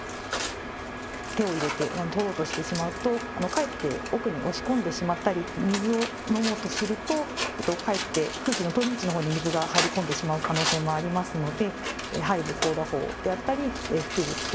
手を入れて取ろうとしてしまうとかえって奥に押し込んでしまったり、水を飲もうとするとかえって空気の通り道のほうに水が入り込んでしまう可能性もありますので。